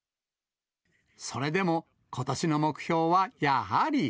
それでも、ことしの目標はやはり。